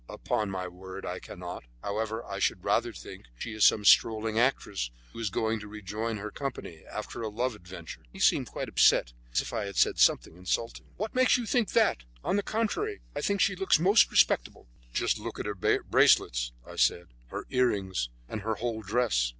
"Upon my word, I cannot. However, I should rather think she is some strolling actress who is going to rejoin her company after a love adventure." He seemed quite upset, as if I had said something insulting. "What makes you think that? On the contrary, I think she looks most respectable." "Just look at her bracelets," I said, "her earrings and her whole dress.